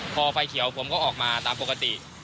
พอไฟเขียวผมก็ออกมาตามปกติ